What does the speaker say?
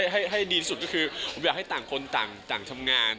ให้ดีสุดก็คืออยากให้ต่างคนต่างทำงาน